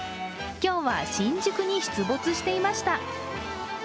今日は新宿に出没していました。